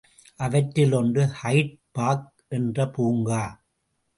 அவற்றில் ஒன்று Hyde Park என்ற பூங்கா.